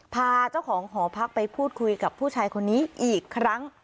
พาเจ้าของหอพักไปพูดคุยกับผู้ชายคนนี้อีกครั้ง